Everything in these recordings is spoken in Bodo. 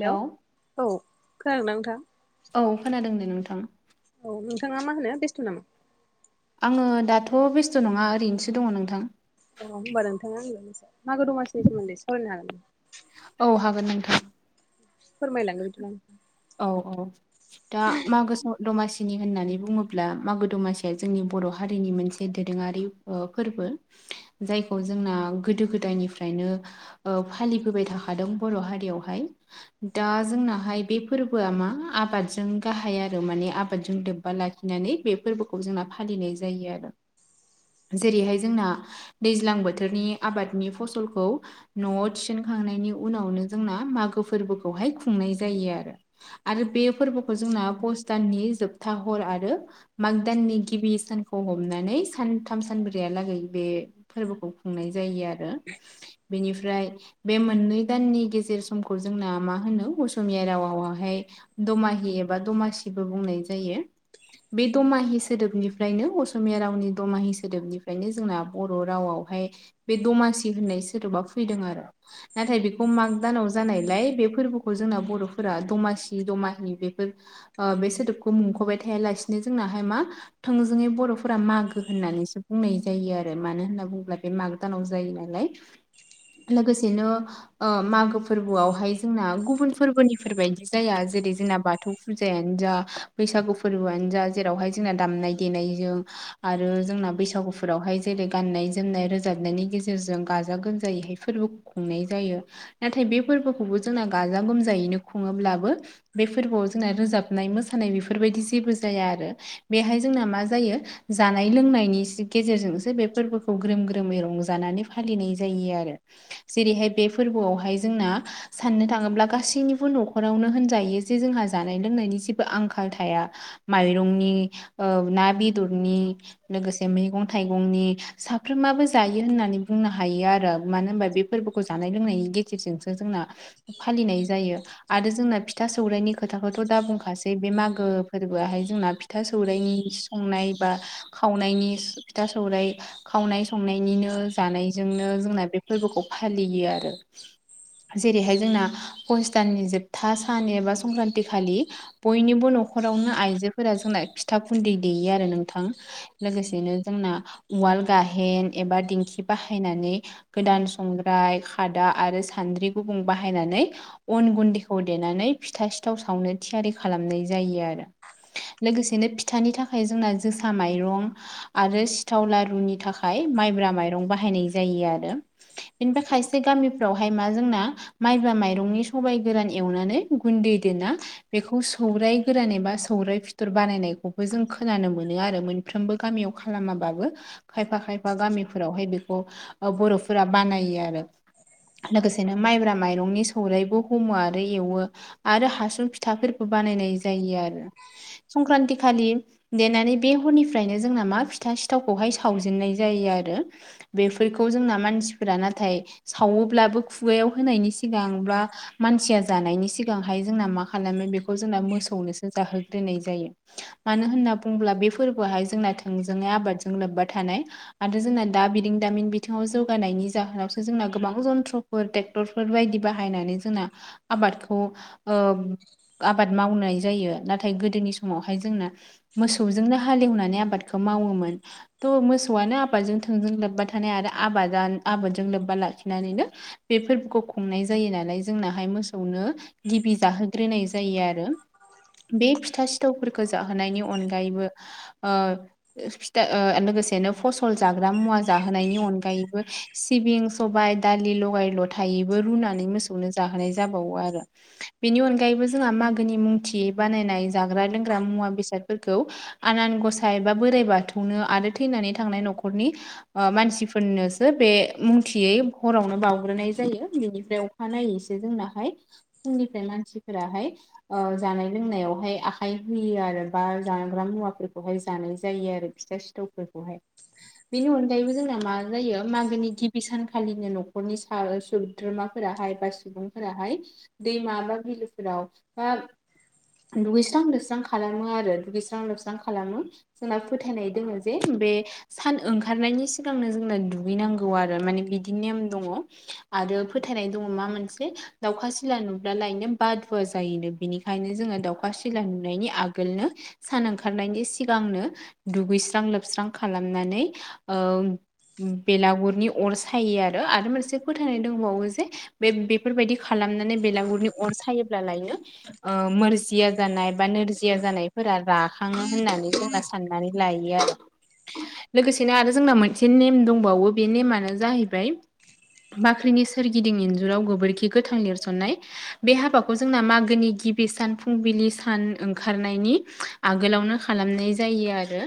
हेलौ औ खोनादों ना नोंथां? औ खोनादों दे नोंथां। औ नोंथाङा मा होनो बेस्थ' नामा? आङो दाथ' बेस्थ' नङा ओरैनोसो दङ नोंथां। अ होमबा नोंथाङा आंनो मोनसे मागो दमासिनि सोमोन्दै सावरायनो हागोन। औ हागोन नोंथां। फोरमायलांदो बिदिबा। औ औ दा मागो स दमासिनि होननानै बुङोब्ला मागो दमासिया जोंनि बर' हारिनि मोनसे दोरोङारि ओ फोरबो जायखौ जोंना गोदो गोदायनिफ्रायनो ओ फालिबोबाय थाखादों बर' हारियावहाय दा जोंना हाय बे फोरबोआ मा आबादजों गाहाय आरो माने आबादजों लोब्बा लाखि नानै बे फोरबोखौ जोंना फालिनाय जायो आरो। [inaudible] जेरैहाय जोंना दैज्लां बोथोरनि आबादनि फसलखौ न'आव थिसनखांनायनि उनावनो जोंना मागो फोरबोखौहाय खुंनाय जायो आरो। आरो बे फोरबोखौ जोंना पुस दाननि जोबथा हर आरो माग दाननि गिबि सानखौ हमनानै सानथाम सानब्रैयालागै बे फोरबोखौ खुंनाय जायो आरो। बेनिफ्राय बे मोननै दाननि गेजेर समखौ जोंना मा मा होनो असमिया रावावहाय दमाहि एबा दमासिबो बुंनाय जायो। बे दमाहि सोदोबनिफ्रायनो असमिया रावनि दमाहि सोदोबनिफ्रायनो जोंना बर' रावआवहाय बे दमासि होननाय सोदोबा फैदों आरो नाथाय बेखौ माग दानाव जानायलाय बे फोरबो खौ जोंना बर'फोरा दमासि दमाहि बेफोर ओ बे सोदोबखौ मुंख'बाय थायालासिनो जोंनाहाय मा थोंजोङै बर'फोरा मागो होननानैसो बुंनाय जायो आरो मानो होनना बुङोब्ला बे माग दानाव जायो नालाय। लोगोसेनो ओ मागो फोरबोआवहाय जोंना गु बुन फोरबोनिफोर बादि जाया जेरै जोंना बाथौ फुजायानो जा बैसागु फोरबोआनो जा जेरावहाय जोंना दामनाय देनायजों आरो जोंना बैसागुफोरावहाय जेरै गाननाय जोमनाय रोजाबनायनि गेजेरजों गाजा गोमजायैहाय फोरबो खुंनाय जायो। नाथाय बे फोरबोखौबो जोंना गाजा गोमजायैनो खुङोब्लाबो बे फोरबोआव जोंना रोजाबनाय मोसानाय बेफोरबायदि जेबो जाया आरो। बेहाय जोंना मा जायो जानाय लोंनायनि गेजेरजोंसो बे फोरबोखौ ग्रोम ग्रोमै रंजानानै फालिनाय जायो आरो। जेरैहाय बे फोरबोयावहाय जोंना साननो थाङोब्ला गासैनिबो न'खरावनो होनजायो जे जोंहा जानाय लोंनायनि जेबो आंखाल थाया। माइरंनि औ ना बेदरनि लोगोसे मैगं थाइगंनि साफ्रोमाबो जायो होननानै बुंनो हायो आरो। मानो होनबा बे फोरबोखौ जानाय लोंनायनि गेजेरजोंसो जोंना नाय जायो आरो जोंना फिथा सौराइनि खोथाखौथ' दा बुंखासै बे मागो फोरबयाहाय जोंना फि था सौरायाइनि संनाय बा खावनायनि फिथा सौरायाइ खावनाय संनायनिनो जानायजोंनो जोंना बे फोरबोखौ फालियो आरो। जेरैहाय जोंना पसथाननि जोबथा सान एबा संक्रान्ति खालि बयनिबो न'खरावनो आइजोफोरा जोंना फिथा गुन्दै देयो आरो नोंथां। लोगोसेनो जोंना उवाल गाहेन एबा दिंखि बाहायनानै गोदान संग्राय खादा आरो सान्द्रि गुबुं बाहायनानै अन गुन्दैखौ देनानै फिथा सिथाव सावनो थियारि खालामनाय जायो आरो। लोगोसेनो फिथानि थाखाय जोंना जोसा माइरं आरो सिथाव लारुनि थाखाय माइब्रा माइरं बाहायनाय जायो आरो। बेनिफ्राय खायसे गामिफ्रावहाय मा जोंना माइब्रा माइ रंनि सबाय गोरान एवनानै गुन्दै देना बेखौ सौराय गोरान एबा सौरायाइ फिथर बानायनायखौबो जों खोनानो मोनो आरो मोन फ्रोमबो गामियाव खालामाबाबो खायफा खायफा गामिफोरावहाय बेखौ बर'फोरा बानायो आरो लोगोसेनो माइब्रा माइरंनि सौरायाइबो हमो आरो एवो आरो हासुं फिथाफोरबो बानायनाय जायो आरो। संक्रान्ति खालि देनानै बे हरनिफ्रायनो जोंना मा फिथा सिथावखौहाय सावजेननाय जायो आरो। बेफोरखौ जोंना मानसिफोरा नाथाय सावोब्लाबो खुगायाव होनायनि सिगां ब्ला मानसिया जानायनि सिगांहाय जोंना मा खालामो बेखौ जोंना मोसौनोसो जाहोग्रोनाय जायो। मानो होनना बुंब्ला बे फोरबोयाहाय जोंना थोंजोङै आबादजों लोब्बा थानाय आरो जोंना दा बिरों दामिन बिथिङाव जौगानायनि जाहोनावसो जोंना गोबां जन्थ्रफोर ट्रेक्टरफोर बायदि बाहायनानै जोंना आबादखौ ओ आबाद मावनाय जायो। नाथाय गोदोनि समावहाय जोंना मोसौजोंनो हालेवनानै आबादखौ मावोमोन। थ' मोसौआनो आबादजों थोंजों लोब्बा थानाय आरो आबाद आबादजों लोब्बा लाखिनानैनो बेफोरखौ खुंनाय जायो नालाय जोंनाहाय मोसौनो गिबि जाहोग्रोनाय जायो आरो। बे फिथा सिथावफोरखौ जाहोनायनि अनगायैबो ओ फिथा ओ लोगोसेनो फसल जाग्रा मुवा जाहोनायनि अनगायैबो सिबिं सबाय दालि लगाय ल'थायैबो रुनानै मोसौनो जाहोनाय जाबावो आरो। बेनि अनगायैबो जोंहा मागोनि मुंथियै बानायनाय जाग्रा लोंग्रा मुवा बेसादफोरखौ आनान गसाइ बा बोराइ बाथौनो आरो थैनानै थांनाय न'खरनि ओ मानसिफोरनोसो बे मुंथियै हरावनो बाउग्रोनाय जायो बिनिफ्राय अखानायैसो जोंनाहाय फुंनिफ्राय मानसिफोराहाय ओ जानाय लोंनायावहाय आखाय होयो आरो बा जाग्रा मुवाफोरखौहाय जानाय जायो आरो फिथा सि थावफोरखौहाय। बेनि अनगायैबो जोंना मा जायो मागोनि गिबि सानखालिनो न'खरनि सा सोद्रोमा फोराहाय बा सुबुंफोराहाय दैमा बा बिलोफोराव बा दुगैस्रां लोबस्रां खालामो आरो दुगैस्रां लोबस्रां खालामो। जोंना फोथायनाय दोङो जे बे सान ओंखारनायनि सिगांनो जोंना दुगैनांगौ आरो माने बिदि नेम दङ आरो फोथायनाय दङ मा मोनसे दाउखा सिला नुब्लालायनो बादुवा जायोनो बेनिखायनो जोङो दाउखा सिला नुनायनि आगोलनो सान ओंखारनायनि सिगांनो दुगैस्रां लोबस्रां खालामनानै ओ बेलागुरनि अर सायो आरो आरो मोनसे फोथायनाय दंबावो जे बे बेफोरबायदि खालामनानै बेलागुरनि अर सायोब्ला लायनो ओ मोरजिया जानाय बा नोरजिया जानायफोरा राखाङो होननानै जोंना साननानै लायो आरो। लोगोसेनो आरो जोंना मोनसे नेम दंबावो बे नेमानो जाहैबाय बाख्रिनि सोरगिदिं इन्जुराव गोबोरखि गोथां लिरसननाय। बे हाबाखौ जोंना मागोनि गिबि सान फुंबिलि सान ओंखारनायनि आगोलावनो खालामनाय जायो आरो।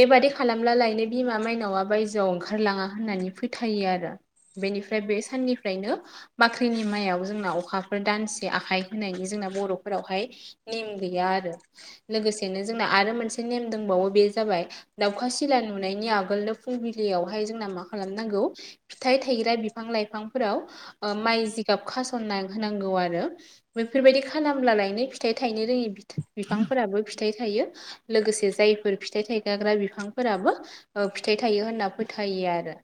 बेबादि खालामब्ला लायनो बिमा माइनावआ बायजोआव ओंखारलाङा होननानै फोथायो आरो। बेनिफ्राय बे साननिफ्रायनो बाख्रिनि मायाव जोंना अखाफोर दानसे आखाइ होनायनि जोंना बर'फोरावहाय नेम गैया आरो लोगोसेनो जोंना आरो मोनसे नेम दंबावो बे जाबाय दावखा सिला नुनायनि आगोलनो फुंबिलियावहाय जोंना मा खालामनांगौ फिथाइ थाइग्रा बिफां लाइफांफोराव ओ माइ जिगाब खास'नना होनांगौ आरो। बेफोरबायदि खालामब्लालायनो फिथाइ थायनो रोङि बिफांफोराबो फिथाइ थायो। लोगोसे जायफोर फिथाइ थायगाग्रा बिफांफोराबो ओ फिथाइ थायो होनना फोथायो आरो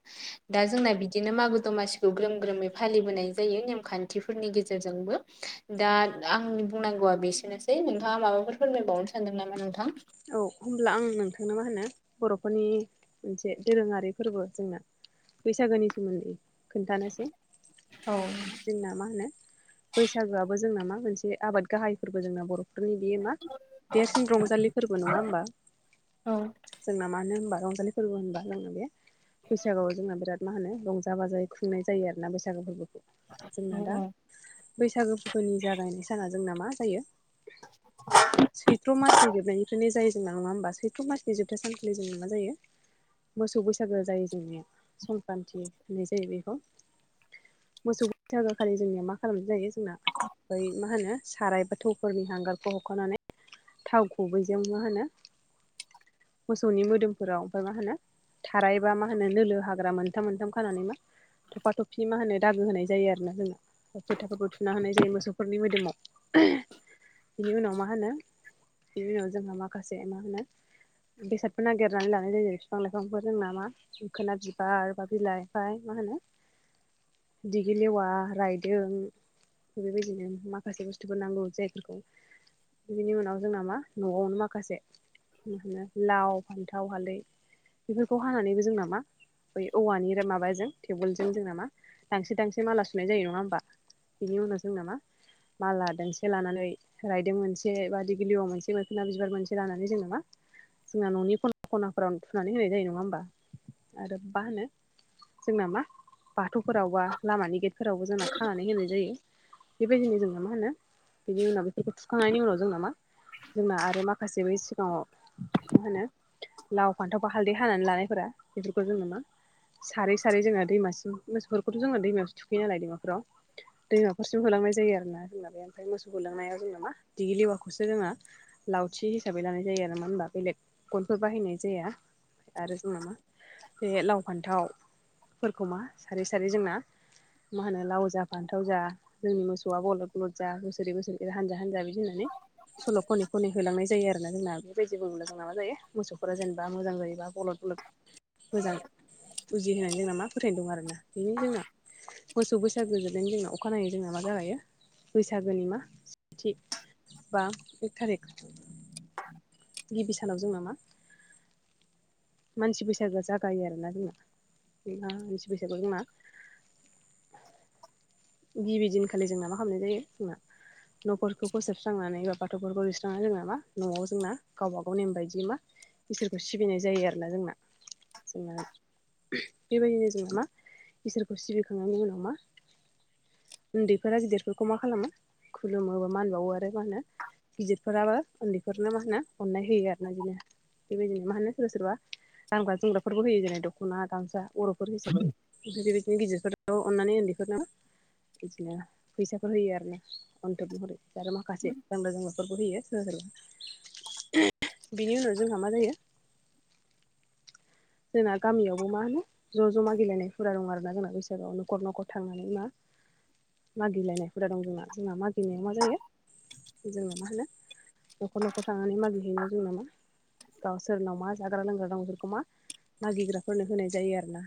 दा जोंना बिदिनो मागो दमासि खौ ग्रोम ग्रोमै फालिबोनाय जायो नेमखान्थिफोरनि गेजेरजोंबो दा आंनि बुंनांगौआ बेस सेनोसै नोंथाङा माबाफोर फोरमायबावनो सानदों नामा नोंथां? औ हब्ला आं नोंथांनो मा होनो बर'फोरनि मोनसे दोरोङारि फोरबो जोंना बैसागोनि सोमोन्दै खोन्थानोसै औ। जोंना मा होनो बैसागोआबो जोंना मा मोनसे आबाद गाहायफोरबो जोंना बर' [unintelligible] नि बियो मा देरसिन रंजालिफोरबो नङा होमबा औ जोंना मा मानो होनबा रंजालि फोरबो होनबा लोङो बे बैसागुआव जोंहा बिराद मा होनो रंजा बाजायै खुंनाय जायो आरोना बैसागो फोरबोखौ औ जोंना दा औ बैसागो फोरबोनि जागायनाय साना जोंना मा जायो सैत्र मासनि जोबनायनि बे जायो जोंना नङा होनबा सैत्र मासनि जोथा सानखालि जों ना मा जायो मोसौ बैसागो जायो जोंनिया संक्रान्ति होननाय जायो बेखौ। मोसौ बैसागो खालि जोंनिया मा खालामनाय जायो जोंना बै मा होनो साराय बा थौफोरनि हांगारखौ हखनानै थाव गुबै [unintelligible] मा होनो मोसौनि मोदोमफोराव ओमफ्राय मा होनो थारायबा मा होनो लोगो हाग्रा मोनथाम मोनथाम खानानै मा थफा थफि मा होनो दागो होनाय जायो आरोना जोंना। फोथाफोरखौ थुना होनाय जायो मोसौफोरनि मोदोमाव। बिनि उनाव मा होनो बिनि उनाव जोंहा माखासे मा होनो बेसादफोर नागिरनानै लानाय जायो जेरै फिफां लाइफांफोर जोंना मा मोखोना बिबार बा बिलाइ बा मा होनो दिगि लेवा रायदों थ' बेबायदिनो माखासे बुस्थुफोर नांगौ जायफोरखौ बिनि उनाव जोंना मा न'आवनो माखासे मा होनो लाव फान्थाव हालै बेफोरखौ हानानैबो जों नामा बै औवानि माबाजों टिउवेलजों जोंना मा दांसे दांसे माला सुनाय जायो नङा होमबा? बेनि उनाव जों नामा माल लादोंसे लानानै रायदों मोनसे ब दिि गिलियावआव मोनसे [unintelligible] बिबार मोनसे लानानै जेनबा जोंना न'नि खना खनाफोराव थुनानै होनाय जायो नङा होमबा आरो मा होनो जोंना मा बाथौफोराव बा लामानि गेटफोरावबो जोंना खानानै होनाय जायो बेबायदिनो जोंना मा होनो बिनि उनाव बेखौ थुखांनायनि उनाव जोंना मा जोंना आरो माखासे बै सिगाङाव मा होनो लाव फान्थावखौ हालदै हानानै लानायफोरा बेफोरखौ जों नङा सारै सारै जोङो दैमासिम मोसौफोरखौथ' जोङो दैमायासो थुखैयो नालाय दैमाफोराव दैमाफोरसम होलांनाय जायो आरोना जोंना बे ओमफ्राय मोसौ गोलांनायाव जोंना मा दिगि लेवाखौसोङो लावथि हिसाबै लानाय जायो आरो मानो होनबा बेलेग गनफोर बाहायनाय जाया आरो जोंना मा बे लाव फान्थावफोरखौ मा सारै सारै जोंना मा होनो लाव जा फान्थाव जा जोंनि मोसौआ बलद बलद जा बोसोरै बोसोरै हानजा हानजा बिदि होननानै [inaudible] सल' खनै खनै होलांनाय जायो आरोना जोंना बेबायदिबो बुङोब्ला जोंना मा जायो जेनेबा मोजां जायो बलद बलद मोजां बुजिहानै जोंना मा फोथायनाय दं आरोना बेनो जोंना मोसौ बैसागो जजों जोंना अखानायै जोंना मा जागायो बैसागोनि मा सेथि बा एक थारिख गिबि सानाव जोंनाामा मानसि बैसागोआ जागायो आरोना जोंना मानसि बैसागु जोंना गिबि दिनखालि जोंना मा खालामनाय जायो जोंना न'खरखौ फोबस्रांनानै गथ'फोरखौ लुस्रांनानै जोंना मा न'आव जोंना गावबा गाव नेम बायदि मा इसोरखौ सिबिनाय जायो आरो गला जोंना जोंना बेबायदिनो जोङो मा इसोरखौ सिबिखांनायनि उनाव मा उन्दैफोरा गिदिरफोरखौ मा खालामो खुलुमोबा मान बावो आरो मा होनो गिदिरफोराबो उन्दैफोरनो मा होनो अननाय होयो आरोना बिदिनो बेबायदिनो मा होनो सोरबा सोरबा रानग्रा जोमग्राफोरबो होयो जेरै दख'ना गामसा बर'फोर हिसाबै बिदि बिदिनो गिदिरफोरखौ अननानै उन्दैफोर नो बिदिनो फैसाफोर होयो आरो ना अन्थोब महरै आरो माखासे गानग्रा जोमग्रा बेफोरखौ होयो सोरबा सोरबा बिनि उनाव जोंहा मा जायो जोंना गामियावबो मा होनो ज' ज'मा गेलेनायफोरा दं आरो ना जोंना बैसागुआव न'खर न'खर थांनानै मा मागिलायनायफोरा दं जोंना जोंना मागिनायाव मा जायो जोङो मा होनो न'खर न'खर थांनानै मागिहैनो जोंना मा गाव सोरनाव मा जाग्रा लोंग्रा दं बिखौ मा मागिग्राफोरनो होनाय जायो आरो ना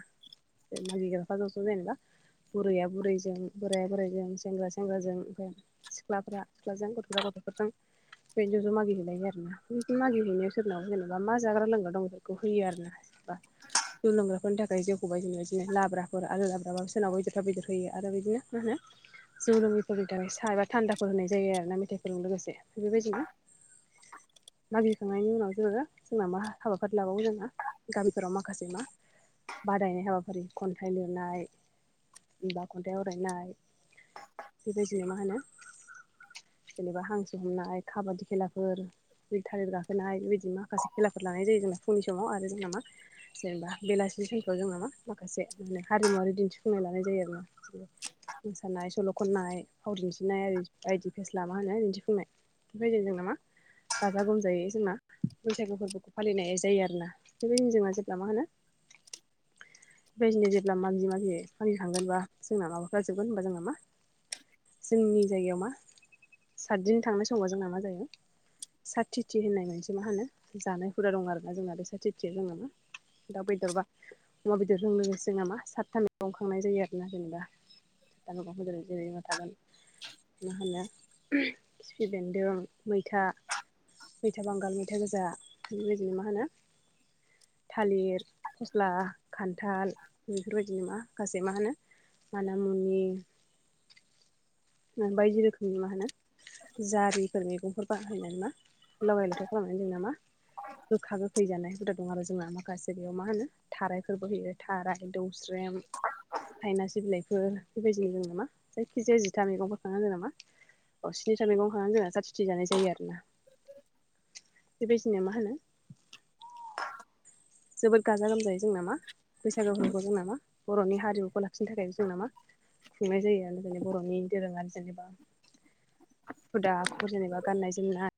मागिग्राफा‌ ज' ज' जेनेबा बुरैया बुरैजों बोराया बोराइजों सेंग्रा सेंग्राजों ओमफ्राय सिख्लाफ्रा सिख्लाजों गथ'फ्रा गथ'फोरजों बे ज' ज' मागि हैैलायो आरो मागि हैनायाव सोरनाव जेनेबा मा जाग्रा लोंग्रा दं बेखौ होयो आरो ना बा जौ लोंग्राफोरनि थाखाय जौखौबाय जों बिदिनो लाब्राफोर आरो लाब्राबो सोरनावा बेदरफा बेदर होयो आरो बिदिनो मा होनो जौ लोङिफोरनि थाखाय सा एबा थान्दाफोर होनाय जायो आरो ना मेथाइफोरजों लोगोसे बेबायदिनो मागिखांनायनि उनाव जोङो जोंना मा हाबाफारि लाबावो जोंना गामिफोराव माखासे मा बादायनाय हाबाफारि खन्थाइ लिरनाय बा खन्थाइ आवरायनाय बेबायदिनो मा होनो जेनेबा हांसो हमनाय खाबादि खेलाफोर थालिर गाखोनाय बेबायदि माखासे खेलाफोर लानाय जायो जोंना फुंनि समाव आरो जों मा जेनेबा बेलासि समखौ जोंना मा माखासे माने हारिमुवारि दिन्थिफुंनाय लानाय जायो आरोना जेनेबा मोसानाय सल' खननाय फाव दिन्थिनाय बायदि फेस्ला मा होनो दिन्थिफुंनायफैदों जों नामा गाजा गोमजायै जोंना बैसागु फोरबोखौ फालिनाय जायो आरोना [unintelligible] बेदिनो जेब्ला माबि माबि माबि थांगोनबा जोंना माबाफोरा जोबगोन होनबा जोंना मा जोंनि जायगायाव मा सातदिन थांनाय समाव जोंहा मा जायो साथिथि होननाय मोनसे मा होनो जानाय हुदा दं आरोना जोंना बे साथिथि मिथि जोङो दाउ बेदरबा अमा बेदरजों लोगोसे नामा सातथा मैगं खांनाय जायो आरोना जेनेबा [unintelligible] थागोन मा होनो खिफि बेन्दों मैथा मैथा बांगाल मैथा गोजा बेबायदिनो मा होनो थालिर फस्ला खान्थाल बेफोरबायदिनो गासै मा होनो मानामुनि बायदि रोखोमनि मा होनो जारिफोर मैगंफोर बाहायनानै मा लगाय लथाय खालामनानै जोंना नामा गोखा गोखै जानाय हुदा दं आरो जोंहा माखासे बेयाव मा होनो थारायफोरबो होयो थाराय दौस्रेम थायना सि बिलाइफोर फोर बेबायदिनो जों नामा जायखिजाया जिथा मैगंफोरखाङो नामा अ स्निथा मैगं खांनानै जोंना जाथिथि जानाय जायो आरोना बेबायदिनो मा होनो जोबोद गाजा गोमजायै जोंनामा बैसागो फोरबो जों नामा बर'नि हारिमुखौ लाखिनो थाखाय जों नामा खुंनाय जायो आरो ज बर'नि दोरोङारिजेनेबा हुदा आखुफोर जेनेबा गाननाय जोमनाय